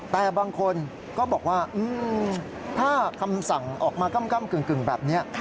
แต่บางคนก็บอกว่าถ้าคำสั่งออกมาก้ำกึ่งแบบนี้